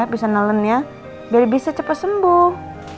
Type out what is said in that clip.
bisa nelen ya biar bisa cepat sembuh